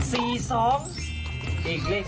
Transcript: เฮ้ยโชคดีนะ